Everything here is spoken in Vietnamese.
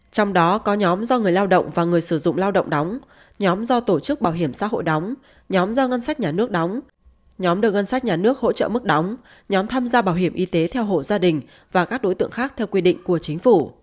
trong đó có nhóm do người lao động và người sử dụng lao động đóng nhóm do tổ chức bảo hiểm xã hội đóng nhóm do ngân sách nhà nước đóng nhóm được ngân sách nhà nước hỗ trợ mức đóng nhóm tham gia bảo hiểm y tế theo hộ gia đình và các đối tượng khác theo quy định của chính phủ